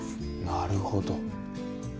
なるほど。